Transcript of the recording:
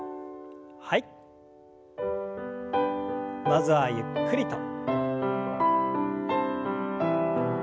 まずはゆっくりと。